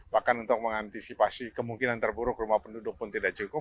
bahkan untuk mengantisipasi kemungkinan terburuk rumah penduduk pun tidak cukup